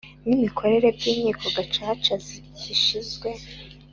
n imikorere by Inkiko Gacaca zishinzwe